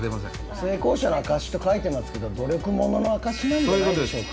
「成功者の証」と書いてますけど努力者の証なんじゃないでしょうか？